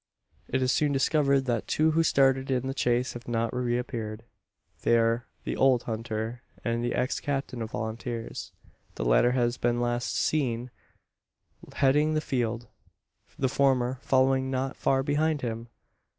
It is soon discovered that two who started in the chase have not reappeared. They are the old hunter and the ex captain of volunteers. The latter has been last seen heading the field, the former following not far behind him.